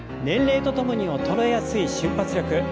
年齢とともに衰えやすい瞬発力。